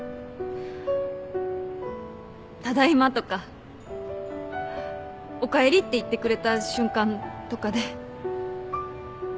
「ただいま」とか「おかえり」って言ってくれた瞬間とかで。